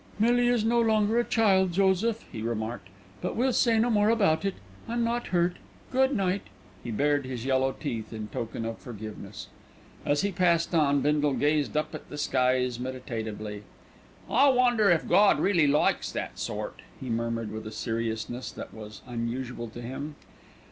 "Millie is no longer a child, Joseph," he remarked, "but we'll say no more about it. I'm not hurt. Good night." He bared his yellow teeth in token of forgiveness. As he passed on, Bindle gazed up at the skies meditatively. "I wonder if Gawd really likes that sort?" he murmured with a seriousness that was unusual to him.